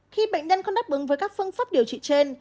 khi bệnh nhân không đáp ứng với các phương pháp điều trị trên